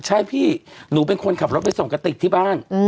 ใช่พี่หนูเป็นคนขับรถไปส่งกระติกที่บ้าน